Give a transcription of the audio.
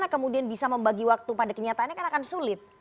kemudian bisa membagi waktu pada kenyataannya kan akan sulit